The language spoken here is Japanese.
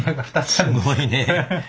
すごいねぇ。